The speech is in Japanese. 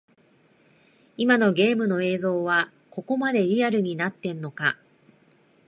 今のゲームの映像はここまでリアルになってんのか